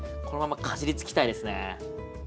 このままかじりつきたいですね。